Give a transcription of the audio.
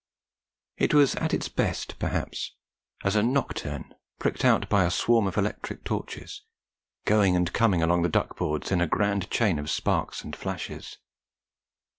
It was at its best, perhaps, as a nocturne pricked out by a swarm of electric torches, going and coming along the duck boards in a grand chain of sparks and flashes.